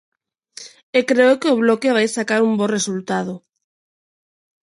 E creo que o Bloque vai sacar un bo resultado.